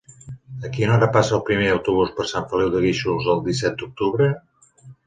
A quina hora passa el primer autobús per Sant Feliu de Guíxols el disset d'octubre?